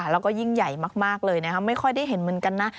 แล้วก็ยิ่งใหญ่มากเลยไม่ค่อยได้เห็นเหมือนกันนะ